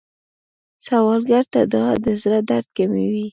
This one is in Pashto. سوالګر ته دعا د زړه درد کموي